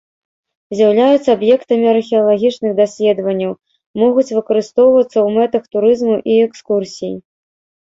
З'яўляюцца аб'ектамі археалагічных даследаванняў, могуць выкарыстоўвацца ў мэтах турызму і экскурсій.